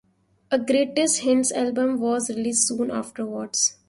A greatest hits album was released soon afterwards.